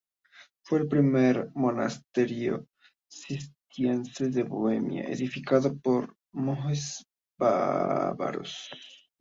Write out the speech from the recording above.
Fue el primer monasterio cisterciense de Bohemia, edificado por monjes bávaros.